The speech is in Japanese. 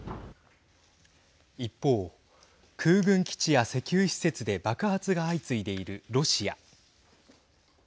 一方、空軍基地や石油施設で爆発が相次いでいるロシア。